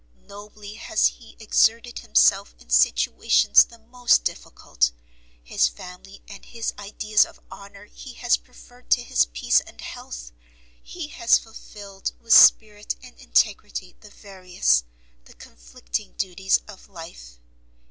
Nobly has he exerted himself in situations the most difficult, his family and his ideas of honour he has preferred to his peace and health, he has fulfilled with spirit and integrity the various, the conflicting duties of life.